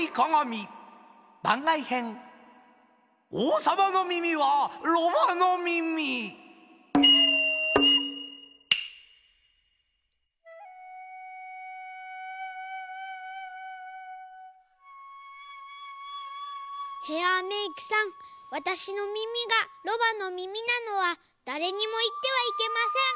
うん！ヘアメークさんわたしの耳がロバの耳なのはだれにもいってはいけません。